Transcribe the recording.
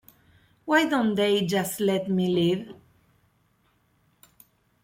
Why don't they just let me live?